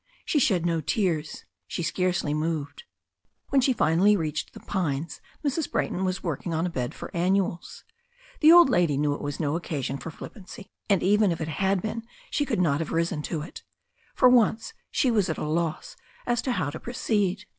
She shed no tears. She scarcely moved. When she finally reached the pines Mrs. Brayton was working on a bed for annuals. The old lady knew it was no occasion for flippancy, and even if it had been she could not have risen to it. For once she was at a loss as to how to proceed.